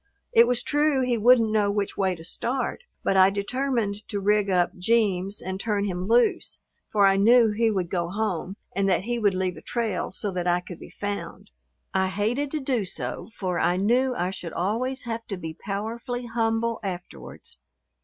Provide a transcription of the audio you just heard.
It was true, he wouldn't know which way to start, but I determined to rig up "Jeems" and turn him loose, for I knew he would go home and that he would leave a trail so that I could be found. I hated to do so, for I knew I should always have to be powerfully humble afterwards.